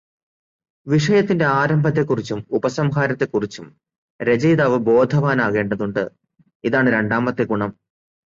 വിഷയത്തിന്റെ ആരംഭത്തെക്കുറിച്ചും ഉപസംഹാരത്തെക്കുറിച്ചും രചയിതാവ് ബോധവാനാകേണ്ടതുണ്ട്, ഇതാണ് രണ്ടാമത്തെ ഗുണം.